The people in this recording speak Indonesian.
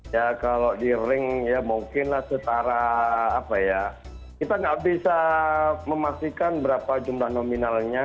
ya kalau di ring ya mungkinlah setara apa ya kita nggak bisa memastikan berapa jumlah nominalnya